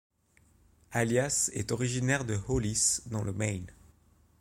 Alias est originaire de Hollis dans le Maine.